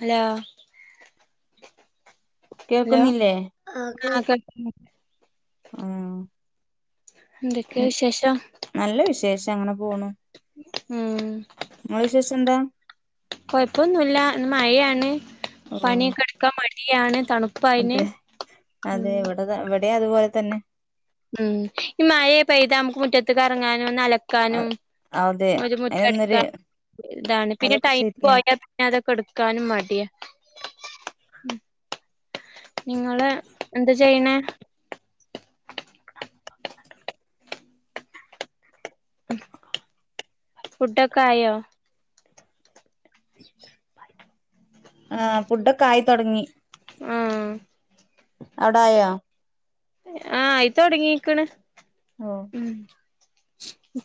Hello hello കേക്കുന്നില്ലേ ആഹ് ആ കേക് എന്തെക്കെയാ വിശേഷം നല്ല വിശേഷം അങ്ങനെ പോണ് ഉം എന്താ കൊഴപ്പൊന്നുമില്ല ഇന്ന് മഴയാണ് ഓ പണിയൊക്കെടുക്കാൻ മടിയാണ് തണുപ് അതെ അതെ ഇവിടെ ഇവിടെ അതുപോലെ തന്നെ ഉം ഈ മഴ പെയ്താ നമുക്ക് മുറ്റത്ത്ക്ക് ഇറങ്ങാനും ഒന്നല ക്കാനും അതെ ഒരുമുറ്റ അയിനൊന്നൊരു അടിക്കാനും ഇതാണ് പിന്നെ അതൊക്കെ ടൈം ശരിയാണ് പോയാൽ പിന്നെ അതൊക്കെ എടുക്കാനും മടിയാ നിങ്ങള് എന്ത് ചെയ്യണേ ഫുഡെക്കായോ ആഹ് ഫുഡ്ഒക്കെ ആയിതൊടങ്ങി ആഹ് അവിടെ ആയാ ആഹ് ആയിതുടങ്ങിക്കണ് ഓ ഉം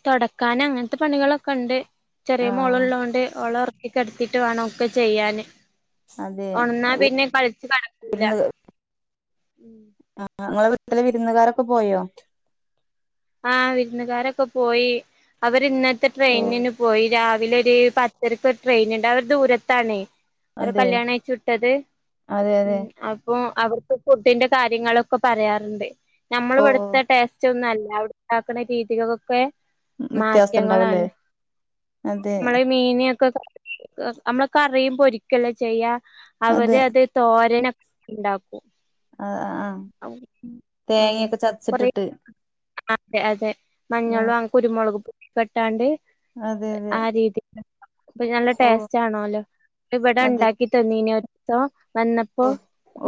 തൊടക്കാൻ അങ്ങനത്തെ പണികളൊക്കെ ഉണ്ട് ചെറിയ മോള ആഹ് ഉള്ളകൊണ്ട് ഓളൊറ ക്കി കെടുത്തിട്ട് വേണം ഒക്കെ ചെയ്യാന് അതെ ഒണന്നാ പിന്നെ കളിച്ച് കടക്കൂല്ല ആഹ് നിങ്ങളെ വീട്ടിലെ വിരുന്നുകാരൊക്കെ പോയോ ആഹ് വിരുന്നുകാരൊക്കെ പോയി അവര് ഇന്നത്തെ ഓ ട്രെയിനിന് പോയി രാവിലെ ഒരു പത് [unintelligible] ട്രെയിൻ ഉണ്ട് അവര് ദൂരത്താണേ അവരെ അതെ കല്യാണം അഴച്ചുവിട്ടത് അതെ അതെ ഉം അപ്പൊ അവർക്ക് ഫുഡിന്റെ കാര്യങ്ങളൊക്കെ പറയാറുണ്ട് നമ്മൾ ഓ ഇവിടുത്തെ ടേസ്റ്റ് ഒന്നും അല്ല അവിടെണ്ടാക്കുന്ന രീതികകൊക്കെ വ്യത്യാസം ഇണ്ടാവുംല്ലേ മാറ്റങ്ങളാണ് അതെ മ്മള് മീനൊക്കെ കഴുകി നമ്മള് കറിം പൊരിക്കല്ലോ ചെയ്യാ അതെ അവര് അത് തോരനൊക്കെ ഉണ്ടാക്കും ആഹ് ആഹ് ആഹ് തേങ്ങയൊക്കെ കൊറെ ചതച്ചിട്ടിട്ട് അതെ അതെ ആഹ് മഞ്ഞളും അ കുരുമുളക് പൊടിക്കെട്ടാണ്ട് അതെ അതെ ആ രീതിപ്പ അപ്പ നല്ല ഓ ടേസ്റ്റ് കാണുല്ലോ ഇവിടെ അതെ ഉണ്ടാക്കി [unintelligible] വന്നപ്പോ ഓ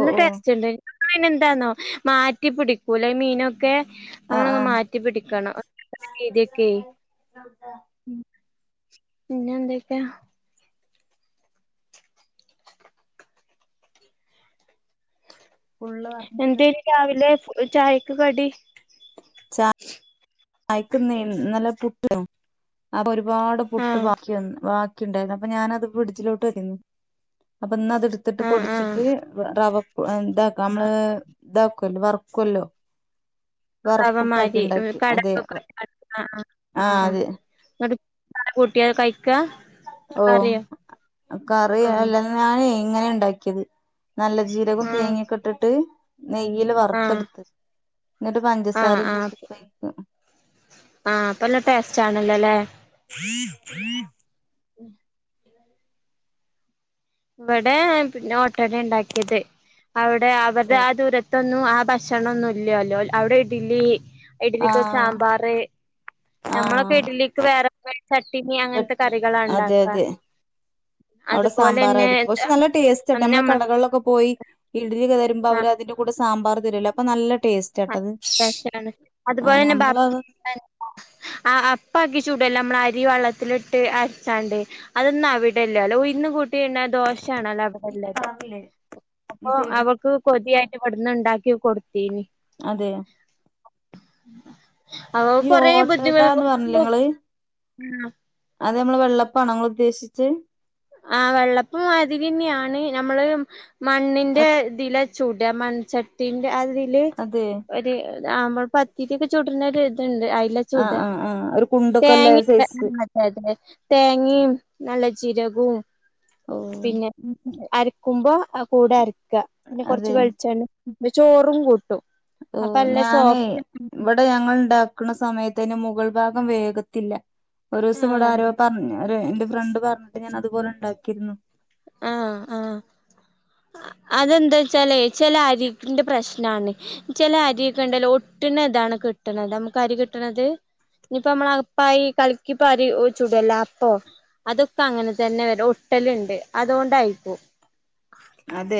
ഓ ഓ ടേസ്റ്റല്ലേ എന്താന്നോ മാറ്റിപ്പിടിക്കൂലേ ഈ മീനൊക്കെ ആഹ് നമ്മളങ്ങ് ആഹ് മാറ്റി പിടിക്കണം രീതിയൊക്കെ [unintelligible] ത പിന്നെ എന്തൊക്കെ ഫുള്ള് വർണിക്ക എന്തേനി രാവിലെ ചായക്ക് കടി ചാ യക്ക്ന്നീ ഇന്നെലെ പുട്ട് [unintelligible] അപ്പൊ ഒരുപാട് പുട്ട് ആഹ് ബാക്കി വന്നു. ബാക് ക്കിണ്ടായിന്നു. അപ്പൊ ഞാനത് ഫ്രിഡ്ജിലോട്ട് വെചിന്നു. അപ്പ ഇന്ന് അത് ഇടുത്തിട്ട് ആഹ് ആഹ് പൊടിച്ചിട്ട് റവ ഇതാക്ക നമ്മള് ഇതാക്കൊല്ലോ വറുക്കല്ലോ. വറപ്പുട്ടാക്കി അവമാരി ഇണ്ടാക്കി അതെ കടക്കൊക്കെ ആഹ് അത്. ഇന്നട്ട് അതും കൂട്ടിയത് കഴിക്ക ഓ കറി ആഹ് അല്ല. ഞാനെ ഇങ്ങനെ ഇണ്ടാക്കിയത്. നല്ല ജീരകും ആഹ് തേങ്ങ്യക്കെ ഇട്ടിട്ട്. നെയ്യില് ആഹ് വറുത്തെടുത്ത്. ഇന്നട്ട് ആഹ് പഞ്ചസാരയും ആഹ് കൂട്ടി കൊയക്ക. ആഹ് അപ്പല്ല ടേസ്റ്റ് ആണല്ലൊല്ലേ. [inaudible] ഉം ഇവെടെ പിന്നെ ഓട്ടടെ ഇണ്ടാക്കിയത്. അവടെ അവര്ടെ ആ ദൂര ഇതൊന്നും ആ ഭക്ഷണൊന്നു ഇല്യാല്ലോ ഔടെ ഇഡലി. ഇഡലിക്ക് ഒരു ആഹ് സാമ്പാറ്. ഞമ്മളൊക്കെ ആഹ് ഇഡലിക്ക് വേറെ ചട്ടിനി അങ്ങൻത്തെ ചട്നി കറികളാ അതെ ഇണ്ടാക്ക അതെ അവിടെ സാമ്പാറായിരിക്കും. പക്ഷെ നല്ല ടാസ്റ്റാട്ടൊ. നമ്മള് നമ്മ കടകളിലൊക്കെ പോയി ഇഡിലി ഒക്കെ തരുമ്പോ അവര് അതിന്റെ കൂടെ സാമ്പാർ തരൊല്ലൊ അപ്പ നല്ല ടേസ്റ്റ്. ആ ആട്ടത് [unintelligible] അതുപോലെ ആഹ് തന്നെ ബാ നമ്മളത് [unintelligible] ആ അപ്പാക്കി ചുടൊല്ലോ. നമ്മള് അരി വെള്ളത്തിലിട്ട് അര്ച്ചാണ്ട്. അതൊന്നും അവിടെ ഇല്ലാല്ലോ. ഉഴ്ന്നു കൂട്ടി ഇട്ണ ദോശ ആണേല്ലോ അവി അല്ലലെ. കളറില്ലേ ഈ അപ്പൊ സൈഡിൽ അവൾക്ക് കൊതിയായിട്ട് ഇവിട്ന്ന് ഇണ്ടാക്കി കൊടുത്തീനി. അതെ അവ ഈ കൊറേ ബുദ്ധിമ ഓട്ടടാന്ന് പറഞ്ഞില്ലേ ഇങ്ങള് ആ അത് നമ്മളെ വെള്ളപ്പാണോ ഇങ്ങള് ഉദ്ദേശിചെ ആ വെള്ളപ്പം മാതിരിന്ന്യാണ്. നമ്മള് മണ്ണിന്റെ ഇതില ചുടാ മൺചട്ടിന്റെ അതില്. അതെ ആ നമ്മള് പത്തിരി ഒക്കെ ചൂട്ണ ഒരു ഇതുണ്ട് അയ്ല ആ ആ ആ ഒരു കുണ്ടൊക്കെ ഇല്ലെ സൈസ്. എതെ തേങ്ങിം നല്ല ചിരകും ഓഹ് പിന്നെ അരക്കുമ്പോ കൂടെ അരക്ക. പിന്നെ കൊറ്ച്ച് അതെ വെൾച്ചെണിം ചോറും കൂട്ടും. ഓ അപ്പൊ നല്ല ഞാനേ സോഫ്റ്റ് ഇവടെ ഞങ്ങള് ഇണ്ടാ ക്ക്ണ സമയത്തെ അയ്ന്റെ മുകൾ ഭാഗം വേഗത്തില്ല. ഒരോസം ഇവടെ ആഹ് ആരോ പറഞ്ഞു. ഒരു എന്റെ ഫ്രണ്ട് പറഞ്ഞിട്ട് ഞാൻ അതുപോലെ ഇണ്ടാക്കിയിരുന്നു. ആഹ് ആഹ് അതെന്താച്ചാലേ ചെല അരിന്റെ പ്രശ്നാണ്. ചെല അരിയൊക്കെ ഇണ്ടല്ലോ. ഒട്ട്ണ ഇതാണ് കിട്ട്ണത് നമുക്ക് അരി കിട്ട്ണത്. ഇഞ്ഞിപ്പ നമ്മളെ അകപ്പായി കലക്കിപാരി ചുട്വല്ലോ അപ്പൊ. അതൊക്കെ അങ്ങനെ തന്നെ വരാ ഒട്ടല്ണ്ട്. അതോണ്ടായിക്കും. അതെ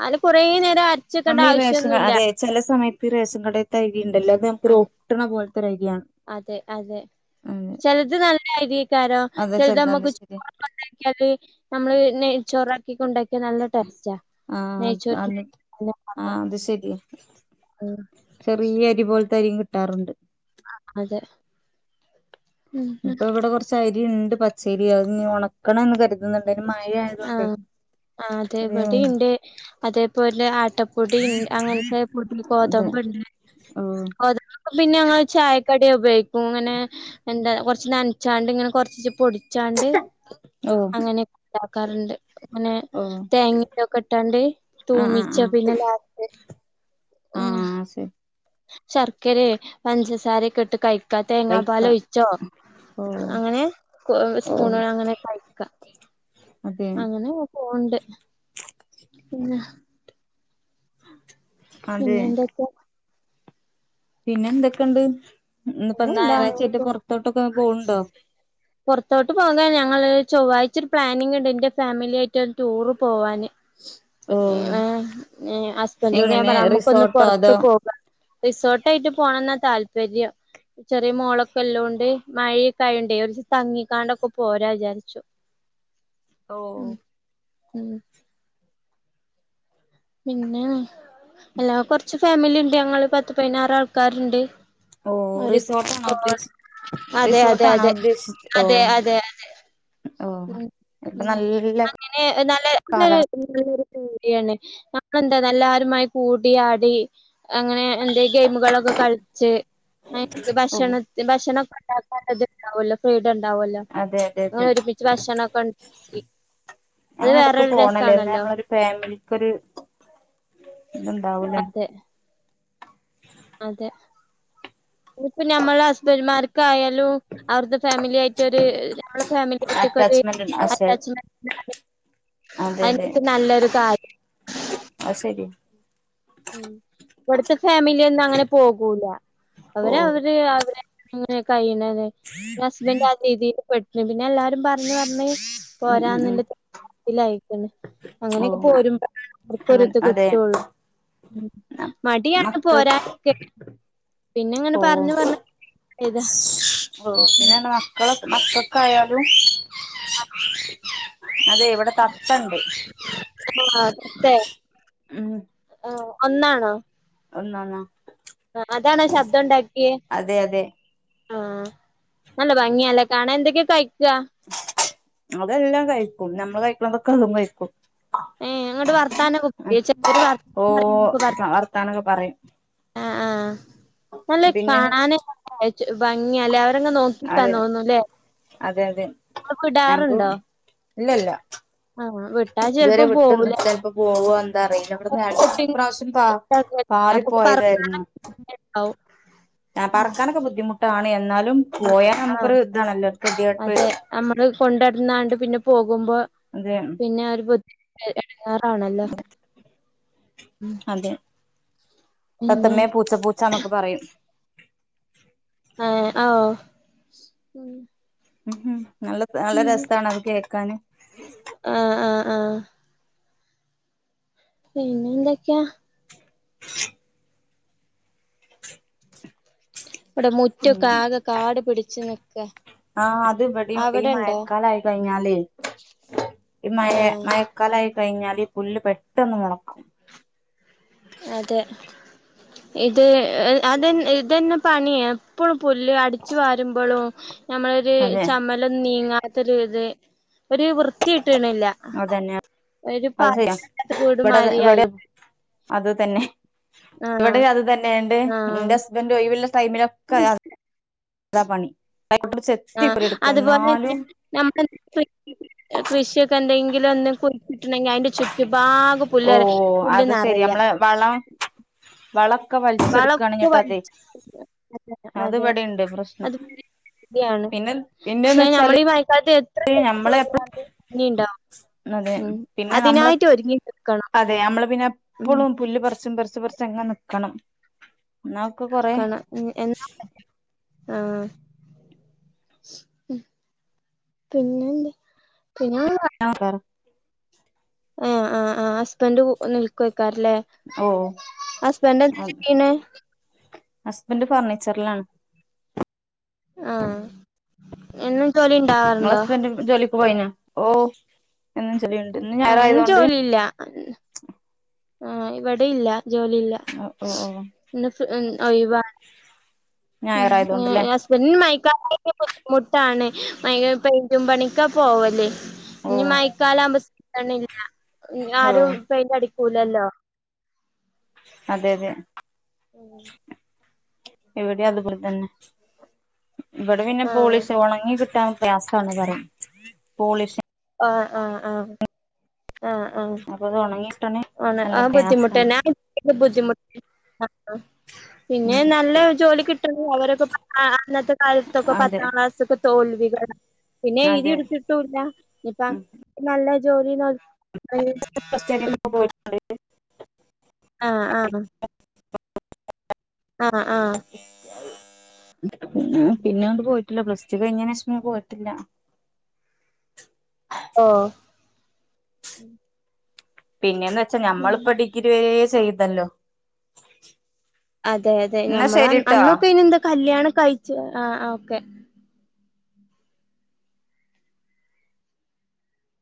അങ്ങനെ കൊറേ നേരം [unintelligible] ഞമ്മളെ ഈ റേഷൻ ക ആവശ്യൊന്നുല്ല അതെ ചെല സമയത്ത് ഈ റേഷൻ കടേത്തെ അരി ഇണ്ടല്ലോ അത് നമ്ക്കൊരു ഒട്ട്ണ പോൽത്തെ ഒരഅരിയാണ് അതെ അതെ ചെൽത് നല്ല അരീക്കാരം അതെ ചെൽത് ചെലത് അത് അമ്മക്ക് ചു ശരി അപ്പം ഇണ്ടാക്കിയാല് നമ്മള് നെയ്ചോറാക്കികൊ ഇണ്ടാക്കിയാ നല്ല ടേസ്റ്റാ ആ അത് അത് നൈചോറ്റിന് ആ [unintelligible] അത് ശെരിയാ ആഹ് ചെറിയ്യ അരി പോൽത്തെ അരിയും കിട്ടാറുണ്ട് ആഹ് അതെ ഉം നിപ്പൊ ഇവടെ കൊർച്ച് അരിണ്ട് പച്ചെരി അത് ഇന്ന് ഒണക്കണം എന്ന് കര്ത് ന്ന്ണ്ട് അതിന് മയെആയതോണ്ടെ ആഹ് അതെ ഇവടിം ഇണ്ട് അതേപോലെ ആട്ടപ്പൊടി ഇൺ അങ്ങൻത്തെ പൊടി ഗോതമ്പം ഇണ്ട് ആഹ് ഗോതമ്പ്പൊടി പിന്നെ ഞങ്ങള് ചായക്കടി ഉപയോഗിക്കും ഇങ്ങനെ എന്താ കൊർച്ച് നൻ ചാണ്ട് ഇങ്ങനെ കൊർച്ച് പൊടിച്ചാണ്ട് ഓ അങ്ങനെയെക്കെ ഉണ്ടാക്കാറുണ്ട് ഇങ്ങനെ ഓ തേങ്ങിം ഇതൊക്കെ ഇട്ടാണ്ട് ആഹ് ആഹ് തൂമിച്ചാപിന്നെ ലാസ്റ്റ് ഉം ആഹ് ആഹ് ശരി ശർക്കരെ പഞ്ചസാരയെക്കെ ഇട്ട് കയി ക്കാ തേങ്ങാ കൈക്ക പാല് ഒയിച്ചോ ഓ അങ്ങനെ കൊ ഓ സ്പൂണ് അങ്ങനെ കയിക്കാ അതെ അങ്ങനെക്കെ പോണ് ണ്ട് പിന്നെ അതെ പിന്നെ എന്തൊക്കെ പിന്നെ എന്തെക്കെണ്ട് ഇന്ന് ഇപ്പൊ നായറാഴ്ച ആയിട്ട് പിന്നെന്താ പൊറത്തോട്ടൊക്കെ പോവ്ണ്ടോ പൊർത്തോട്ട് പോകാൻ ഞങ്ങള് ചൊവ്വായ്ച പ്ലാനിംങ് ഉണ്ട് ഇന്റെ ഫാമിലി ആയിറ്റ് ഒരുടൂറ് പോവാന് ഓ ഏഹ് ഹസ്ബെന്റിനോട് ഞാൻ എങ്ങനെ പറ അമ്മക്ക് ഒന്ന് റിസോർട്ടോ പൊറത്ത് അതോ പോ റിസോട്ടൈറ്റ് പോണംന്നാതാൽപെര്യം ചെറിയ മോളൊക്കെല്ലോണ്ട് മഴിംഒക്കെ ആയോണ്ടേ ഒന്ന് തങ്ങിക്കാണ്ടൊക്കെ പോരാ വിചാരിച്ചു ഓ ഉ ഉ പിന്നെ എല്ലാ കൊർച്ച് ഫാമിലി ഇണ്ട് ഞങ്ങള് പത്ത് പയ്നാറ് ആൾക്കാര്ണ്ട് ഓ ഒരുപ് റിസോർട്ടാണോ പോവാൻ ഉദ്ദേശി അതെ അതെ റിസോർട്ടാണോ അതെ ഉദ്ദേശിച്ച ഓ അതെ അതെ ഏഹ് ഓ ഉം ഇപ്പൊ ഉം നല്ല അങ്ങനെ നല്ലെ ഇത് കാലാവസ്ഥ എല്ലാരുംകൂടി കൂടിയാണ് അപ്പെന്താന്നാ അല്ലാരുമായി കൂടിയാടീ അങ്ങനെ എന്തേലും ഗെെമ്കളൊക്കെ കളിച്ച് ഐന്ഇക്ക് ഓ ഭക്ഷണത്ത് ഭക്ഷ ണൊക്കെ ഇണ്ടാക്കാത്തത് ഇണ്ടാവുല്ലോ ഫ്രീഡം ഇണ്ടാവുല്ലോ അതെ അതെ അതെ ഒരു പി ച്ച് ഭക്ഷണം ഒക്കെ ഇണ്ടാക്കി അത് വേറൊരു രസാണല്ലോ ഫാമിലിക്ക് ഒര് ഇത്ണ്ടാവുംലെ അതെ ഉ അതെ ഇഞ്ഞ്പ്പൊ ഞമ്മളെ ഹസ്ബെൻഡ്മാർക്കായാലും അവട്ത്തെ ഫാമിലി ആയിറ്റ് ഒര് ഞമ്മള് ഫാമിലിയാറ്റ് ഒക്കെ ഒര് അറ്റാച്ച്മെന്റ് അറ്റാച്ച്മെന്റാണ് അതെ അതെ കാര്യം അത് ശരിയാ ഉം ഇവ്ട്ത്തെ ഫാമിലി ഒന്നും അങ്ങനെ പോകൂല അവര് അവര് ഉം അവരെ അങ്ങനെ കയ്യ്ണത് ഇന്റ ഹസ്ബെൻഡ് ആ രീതിയില് പെട്ടിന്നു പിന്നെ എല്ലാരും പർണ് പർണ് ഉം ഉം പോരാന്ന്ല്ല തീരുമാന ത്തിലായിക്ക്ണ് ഓ അങ്ങനെയെക്കെ പോരുമ്പൊ അവർക്കും ഒരു അങ്ങനെ ഇത് അതെ കിട്ടുഒള്ളൂ മടിയാണ് മക്കൾ പോരാനൊക്കെ പിന്നെ ഇങ്ങനെ ഓ പറഞ്ഞ് പറണ് വന്നപ്പേ ഇതാ ഓ പിന്നെ ർഞാ മക്കള് മക്കക്കായാലും അതെ ഇവടെ തത്തണ്ട് ഉം ആ ഒന്നാണോ ഒന്നാന്ന ആ അതാണോ ശബ്ദണ്ടാക്ക്യേ അതെ ആ നല്ല ഭംഗിയാ ല്ലേ കാണാൻ എന്തൊക്കെ കഴിക്യ അതെല്ലാം കഴിക്കും നമ്മള് കഴിക്കണതൊക്കെ അതും കഴിക്കും ഏ ന്ന്ട്ട് വർത്താനൊക്കെ ർയോ ചെലോര് ഓ വർത്ത [unintelligible] വർത്താനൊക്കെ പറയും ആ ആ നല്ലൊര് പിന്നെന്ന് വെച്ച കാണാന് ച്ചു ഭംഗിയാല്ലേ അവരങ്ങ് നോക്കിക്കാ തോന്നൂല്ലേ തെതെ ഞങ്‌ക്കും വിടാറുണ്ടോ ഇല്ലല്ല [unintelligible] ഇതുവെരെ വിട്ട്ന്ന്ട്ട്ല്ല പോവൂലേ ചെൽപ്പോ പോവോ എന്താറില്ല ഇവിട്ന്ന് രണ്ട് മൂന്ന് പ്രാശ്യം പാ പാറി പോയതായിരുന്നു [unintelligible] ണ്ടാവും അ പറക്കാനൊക്കെ ബുദ്ധിമുട്ടാണ് എന്നാലും ആ പോയാ ആ നമുക്കൊരു ഇതാണല്ലോ ഒരു കെതിയെട്ട് അതെ നമ്മള് കൊണ്ടട്ന്നാണ്ട് പിന്നെ പോകുമ്പോ അതെ പിന്നെ ഒരു ബുദ്ധി എടങ്ങെറാണല്ലോ ഉം അതെ തത്തമ്മേ പൂച്ച പൂച്ച ന്നൊക്കെ പറയും ഏ ഔ ഉം നല്ല നല്ല രസാണ് അത് കേക്കാന് ആ ആ ആ പിന്നെന്തൊക്ക്യാ [inaudible] ഇവടെ മുറ്റൊക്കെ പിന്നെ ആകെ കാട് പിടിച്ച് നിക്ക ആ അത് ഇവിടിംണ്ട് ഈ മയക്കാലായി കയ്ഞ്ഞാലേ ഈ ആ മഴെ മഴ ക്കാലായി കയ്ഞ്ഞാല് ഈ പുല്ല് പെട്ടെന്ന് മൊളക്കും അതെ ഇത് അത് ഇതെന്നെ പണി എപ്പളും പുല്ല് അടിച്ച് വാരുമ്പളും നമ്മളൊര് അതെ ചമ്മലൊന്നും നീങ്ങാത്തൊരിത് ഒരു വൃത്തിട്ട്ണില്ല തന്നെയ അത് [unintelligible] ഇവടെ വീടുമാതിരി ഇവടെ ആയി അത് തന്നെ ആഹ് ഇവടെ അത് തന്നെണ്ട് ഇന്റെ ആഹ് ഹസ്ബന്റ് ഒയ് വ്ള്ള ടൈമിലൊ [unintelligible] താ പണി കൈകോട്ട് കൊണ്ട് ചെത്തി പണി ട്ക്കും എന്നാലും നമ്മളെ കൃഷിയൊക്കെ എന്തെങ്കിലൊന്ന് കുഴിച്ചിട്ടിണ്ടെങ്കില് അയ്ന്റെ ചു റ്റ് ഭാഗം ഓ പുല്ല്ർയ പുല്ല് അത് ശെരി നറയ നമ്മളെ വളം വളം ക്കെ വൽച്ച്ട്ക്കാണ് വളൊക്കെ ന്ന്ട്ടതെ വലിച്ച് അതെ അത് വെടെണ്ട് പ്രശ്നം യാണ് പിന്നെ പിന്നെന്ന് പക്ഷെ വെച്ചാല് നമ്മളീ മഴക്കാലത്ത് എത്ര എത്ര നമ്മളെ എപ്പഴും ചെത്തിക്കോരിയാലും അതെ ഞ്ഞിണ്ടാവും പിന്നെ നമ്മളെ അതിനായിട്ട് ഒരുങ്ങി നിക്കണം അതെ നമ്മള് പിന്നെ ഉം എപ്പളും പുല്ല് പർച്ചും പർച്ചും പർച്ചങ്ങനെ നിക്കണം ന്നാ ഒക്കെ കൊറെ ആ ഉം പിന്നെന്ത് പിന്നെ ആഹ് പറാ ആഹ് ആഹ് ആഹ് സ് ഹസ്ബൻഡ് കൂ നിൽക്കോക്കാരല്ലേ ഓ ഹസ്ബൻഡ് എന്താ ചെയ്യണേ ഹസ്ബൻഡ് ഫർണിച്ചറിലാണ്. ആഹ് എന്നും ജോലി ഇണ്ടാവാറ് നിങ്ങളെ ഹസ്ബൻഡ് ജോലിക്ക് പോയിനാ ഓഹ് എന്നും ജോലിണ്ട് ഇന്ന് ഞായറായതോണ്ട്. ഇല്ലാ. ആഹ് ഇവിടെ ഇല്ല ജോലിയില്ലാ. ഓ ഓ ഇന്ന് [unintelligible] ഒഴിവാണ് ഞായറായതോണ്ട്ല്ലേ ഞാ സ് പിന്നെ മയക്കാലയാ ബുദ്ധിമുട്ടാണ് മയ പെയ് പെയിന്റും പണിക്കാ പോവല്, ഓ ഇനി മഴക്കാലം ആവുമ്പോ [unintelligible] ഇഞ്ഞ് ഓ ആരും പെയിന്റടിക്കൂലല്ലോ. അതെ അതെ. ഉം ഇവിടിം അതുപോല തന്നെ. ഇവിടെ പിന്നെ ആഹ് പോളീഷ് ഒണങ്ങി കിട്ടാൻ പ്രയാസാണ് പറിം പോളീഷ് ആഹ് ആഹ് ആഹ് ആഹ് ആഹ്. അപ്പോ അതൊണങ്ങി ഒണ അത് ബുദ്ധിമുട്ടെന്നെയാ [unintelligible] പിന്നെ നല്ല ജോലി കിട്ടണെ അവരൊക്കെ പത്താം അന്നത്തെ കാലത്തൊക്കെ അതെ പത്താം ക്ലാസ്സൊക്കെ തോ തോൽവികളാണ് പിന്നെ എഴുതി അതെ എടുത്തിട്ടൂല്ലാ ഇനിയിപ്പോ നല്ല ജോലി നോക്ക് [inaudible] ക്കെ പോയിറ്റ്ണ്ട് ആഹ്, ആഹ് ആഹ്, ആഹ് ആഹ് പിന്നെ അങ്ങട് പോയിട്ടില്ലാ പ്ലസ് ടു കയ്ഞ്ഞേനേഷം പിന്നെ പോയിട്ടില്ലാ. ഓഹ് പിന്നെന്ന് വെച്ചാ ഞമ്മളിപ്പോ ഡിഗ്രി വെരെ ചെയ്തല്ലോ? അതെ, അതെ എന്നാ ഞമ്മള് അൻ ശരിട്ടോ അന്നൊക്കെ അയിനെന്താ കല്യാണം കയ്ച്ച ആഹ്, ആഹ് ഓക്കെ.